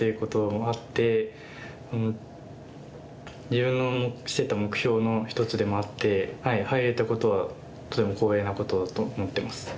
自分のしてた目標の一つでもあって入れたことはとても光栄なことだと思ってます。